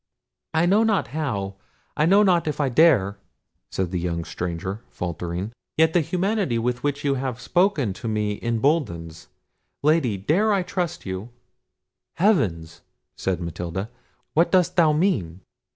"I know not how, I know not if I dare," said the young stranger, faltering; "yet the humanity with which you have spoken to me emboldens—Lady! dare I trust you?" "Heavens!" said Matilda, "what dost thou mean?